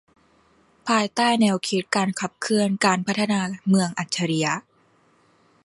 ภายใต้แนวคิดการขับเคลื่อนการพัฒนาเมืองอัจฉริยะ